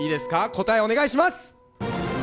答えお願いします！